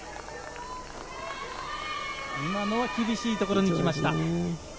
今のは厳しいところに落ちました。